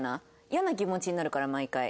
イヤな気持ちになるから毎回。